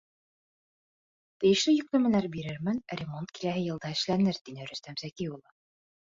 Тейешле йөкләмәләр бирермен, ремонт киләһе йылда эшләнер, — тине Рөстәм Зәки улы.